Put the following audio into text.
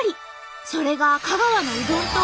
それが香川のうどんと合体？